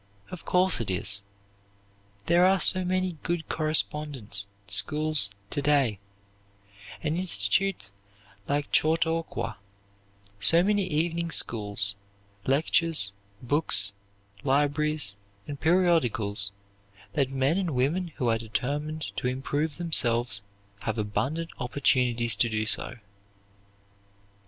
Of course it is. There are so many good correspondence schools to day, and institutions like Chautauqua, so many evening schools, lectures, books, libraries, and periodicals, that men and women who are determined to improve themselves have abundant opportunities to do so.